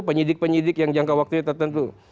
penyidik penyidik yang jangka waktunya tertentu